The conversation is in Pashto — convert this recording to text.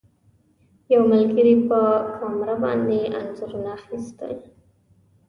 یو ملګري مو په کامره باندې انځورونه اخیستل.